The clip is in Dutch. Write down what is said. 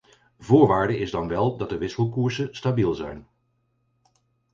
Voorwaarde is dan wel dat de wisselkoersen stabiel zijn.